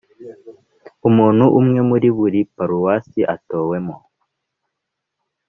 Umuntu umwe muri buri paruwase atowemo